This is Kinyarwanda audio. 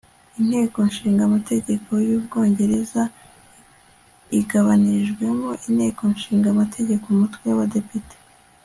Inteko ishinga amategeko yUbwongereza igabanijwemo Inteko ishinga amategeko umutwe wabadepite